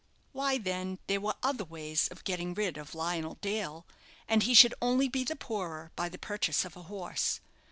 Why, then, there were other ways of getting rid of Lionel Dale, and he should only be the poorer by the purchase of a horse.